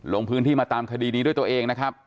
ลงพื้นที่มาตามคดีนี้ด้วยตัวเองนะครับ